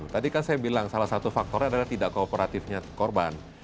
tadi kan saya bilang salah satu faktornya adalah tidak kooperatifnya korban